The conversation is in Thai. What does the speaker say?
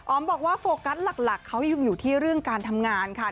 บอกว่าโฟกัสหลักเขายังอยู่ที่เรื่องการทำงานค่ะ